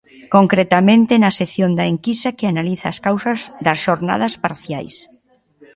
Concretamente, na sección da enquisa que analiza as causas das xornadas parciais.